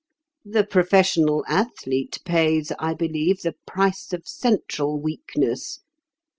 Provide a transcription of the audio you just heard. The professional athlete pays, I believe, the price of central weakness.